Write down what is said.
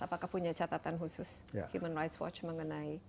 apakah punya catatan khusus human rights watch mengenai